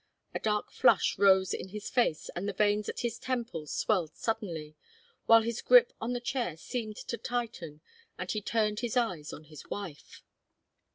A dark flush rose in his face and the veins at his temple swelled suddenly, while his grip on the chair seemed to tighten, and he turned his eyes on his wife.